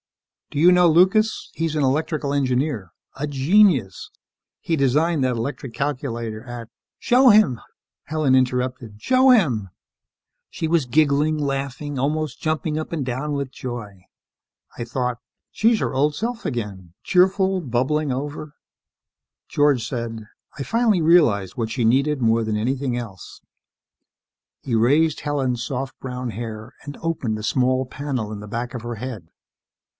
Do you know Lucas? He's an electrical engineer ... a genius. He designed that electronic calculator at " "Show him," Helen interrupted. "Show him!" She was giggling, laughing, almost jumping up and down with joy. I thought: She's her old self again, cheerful, bubbling over ... George said, "I finally realized what she needed more than anything else ..." He raised Helen's soft brown hair and opened a small panel in the back of her head.